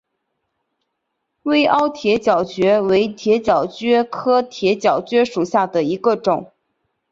微凹铁角蕨为铁角蕨科铁角蕨属下的一个种。